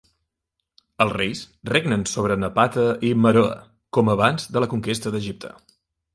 Els reis regnen sobre Napata i Meroe com abans de la conquesta d'Egipte.